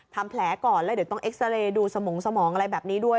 ทำแผลก่อนแล้วเดี๋ยวต้องเอ็กซาเรย์ดูสมองสมองอะไรแบบนี้ด้วย